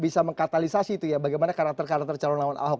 bisa mengkatalisasi itu ya bagaimana karakter karakter calon lawan ahok